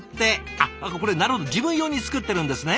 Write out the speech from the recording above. あっこれなるほど自分用に作ってるんですね。